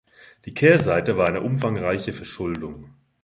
Die Kehrseite war eine umfangreiche Verschuldung.